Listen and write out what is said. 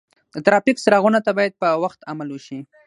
د ترافیک څراغونو ته باید په وخت عمل وشي.